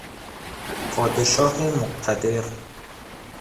پادشاه مقتدر